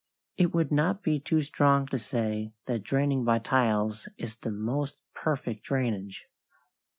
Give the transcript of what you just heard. It would not be too strong to say that draining by tiles is the most perfect drainage.